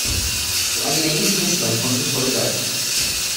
To ani není smyslem Fondu solidarity.